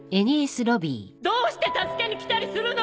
どうして助けに来たりするの！